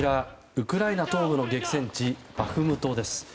ウクライナ東部の激戦地バフムトです。